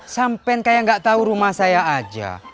sampen kayak gak tau rumah saya aja